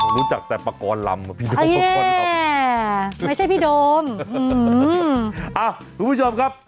รู้จักแต่ประกอบลำไม่ใช่พี่โดมอ่าทุกผู้ชมครับ